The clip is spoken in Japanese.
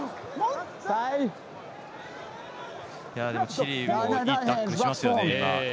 チリもいいタックルしますよね。